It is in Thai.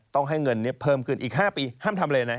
ต้องให้เงินเพิ่มขึ้นอีก๕ปีห้ามทำเลยนะ